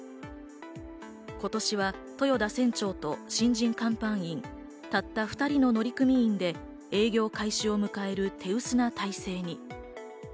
今年は豊田船長と新人甲板員、たった２人の乗組員で営業開始を迎える手薄な体制に。